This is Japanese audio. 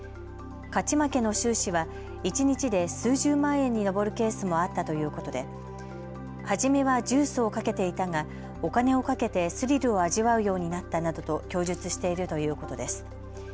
勝ち負けの収支は一日で数十万円に上るケースもあったということで初めはジュースを賭けていたがお金を賭けてスリルを味わうようになったなどと供述しているということです。